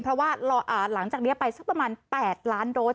เพราะว่าหลังจากนี้ไปสักประมาณ๘ล้านโดส